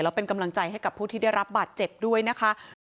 แล้วเป็นกำลังใจให้กับผู้ที่ได้รับบาดเจ็บด้วยนะคะ